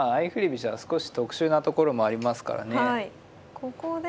ここで。